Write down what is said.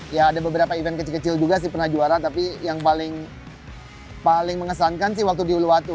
ya ada beberapa event kecil kecil juga sih pernah juara tapi yang paling mengesankan sih waktu di uluwatu